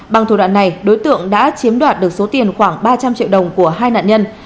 bằng thủ đoạn này đối tượng đã chiếm đoạt được số tiền khoảng ba trăm linh triệu đồng của hai nạn nhân